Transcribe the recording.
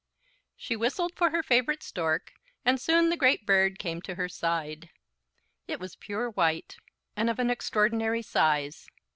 She whistled for her favorite Stork, and soon the great bird came to her side. It was pure white, and of an extraordinary size.